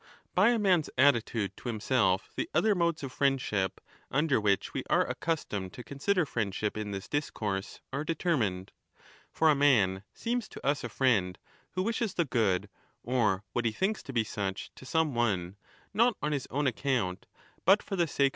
^^ By a man's attitude to himself tlie other modes of friend ship, under which we are accustomed to consider friendship in this discourse, are^ determined.^ For a man seems to us a friend, who wishes the good or what he thinks to be such 25 to some one, not on his own account but for the sake of that 8 ^39 = E.